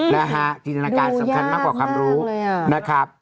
ดูยากมากเลยอะ